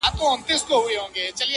له عرب تر چین ماچینه مي دېرې دي!!